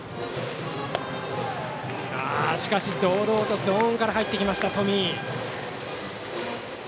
しかし、堂々とゾーンから入ってきた冨井。